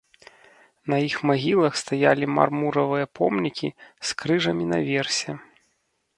На іх магілах стаялі мармуровыя помнікі з крыжамі наверсе.